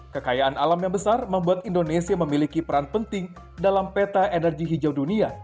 kekayaan alam yang besar membuat indonesia memiliki peran penting dalam peta energi hijau dunia